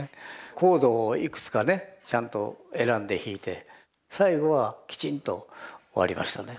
コードをいくつかねちゃんと選んで弾いて最後はきちんと終わりましたね。